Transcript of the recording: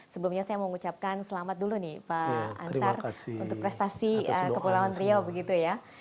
sebelumnya saya mau mengucapkan selamat dulu pak ansar untuk prestasi kepulauan riau